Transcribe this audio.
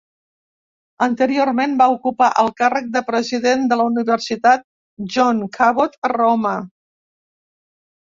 Anteriorment, va ocupar el càrrec de president de la Universitat John Cabot a Roma.